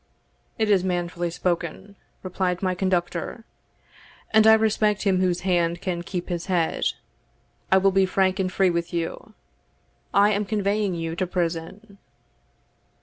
"It is manfully spoken," replied my conductor; "and I respect him whose hand can keep his head. I will be frank and free with you I am conveying you to prison."